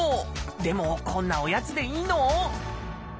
でもこんなおやつでいいの？